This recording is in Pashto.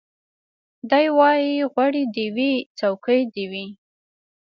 دی وايي غوړي دي وي څوکۍ دي وي